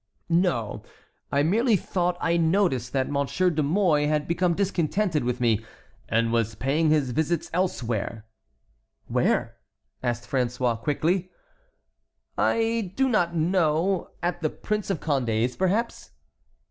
"No, I merely thought I noticed that Monsieur de Mouy had become discontented with me, and was paying his visits elsewhere." "Where?" asked François quickly. "I do not know. At the Prince of Condé's perhaps."